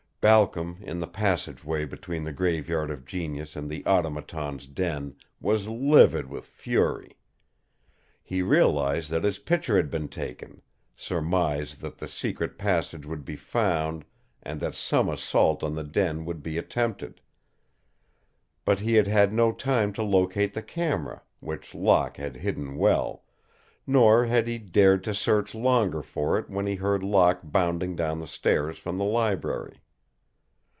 Balcom, in the passageway between the Graveyard of Genius and the Automaton's den, was livid with fury. He realized that his picture had been taken, surmised that the secret passage would be found and that some assault on the den would be attempted. But he had had no time to locate the camera, which Locke had hidden well, nor had he dared to search longer for it when he heard Locke bounding down the stairs from the library.